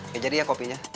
kejar dia kopinya